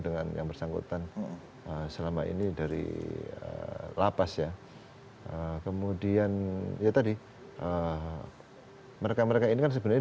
dengan yang bersangkutan selama ini dari lapas ya kemudian ya tadi mereka mereka ini kan sebenarnya